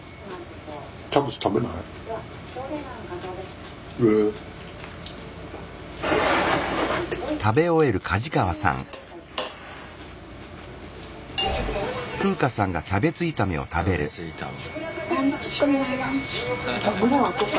キャベツ炒め。